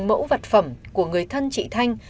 mẫu vật phẩm của người thân chị thanh